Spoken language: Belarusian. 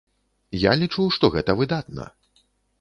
Я лічу, што гэта выдатна.